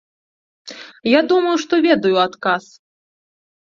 Я думаю, што ведаю адказ.